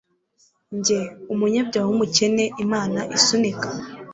Njye umunyabyaha wumukene Imana isunika